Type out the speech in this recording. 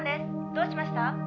どうしました？」